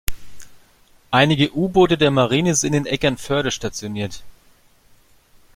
Einige U-Boote der Marine sind in Eckernförde stationiert.